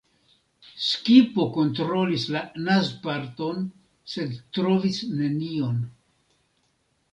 Skipo kontrolis la naz-parton, sed trovis nenion.